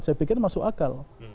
saya pikir masuk akal